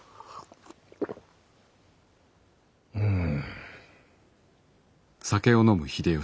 うん。